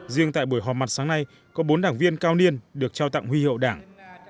riêng tại buổi họp mặt sáng nay có bốn đảng viên cao niên được trao tặng huy hậu đảng